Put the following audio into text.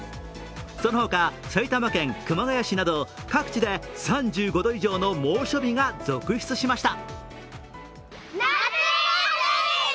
そのほか、埼玉県熊谷市など各地で３５度以上の猛暑日が続出しました。